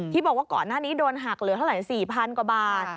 บอกว่าก่อนหน้านี้โดนหักเหลือเท่าไหร่๔๐๐๐กว่าบาท